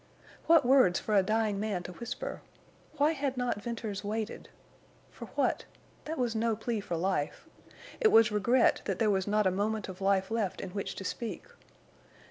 What words for a dying man to whisper! Why had not Venters waited? For what? That was no plea for life. It was regret that there was not a moment of life left in which to speak.